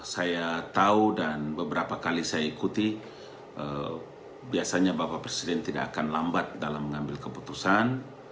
saya tahu dan beberapa kali saya ikuti biasanya bapak presiden tidak akan lambat dalam mengambil keputusan